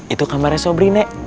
itu kamarnya sobri nek